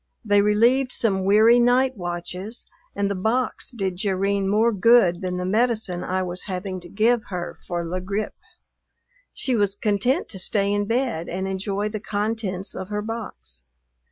They relieved some weary night watches, and the box did Jerrine more good than the medicine I was having to give her for la grippe. She was content to stay in bed and enjoy the contents of her box.